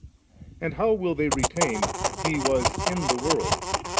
and how will they retain 'He was in the world?'